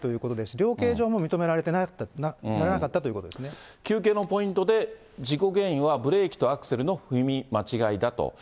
量刑でも認められなかったという求刑のポイントで、事故原因はブレーキとアクセルの踏み間違いだと。